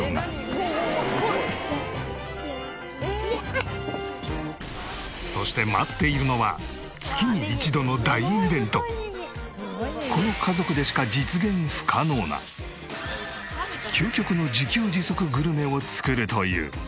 おおおおおおすごい！そして待っているのはこの家族でしか実現不可能な究極の自給自足グルメを作るという。